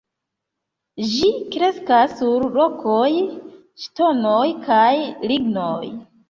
Ĝi kreskas sur rokoj, ŝtonoj kaj lignoj.